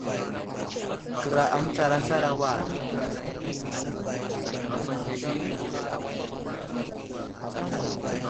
Kəra a mətsar aslar a war.